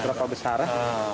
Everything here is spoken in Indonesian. berapa besar ya